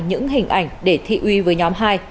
những hình ảnh để thị uy với nhóm hai